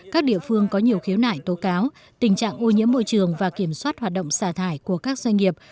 các địa phương có nhiều khiếu nại tố cáo tình trạng ô nhiễm môi trường và kiểm soát hoạt động xả thải của các doanh nghiệp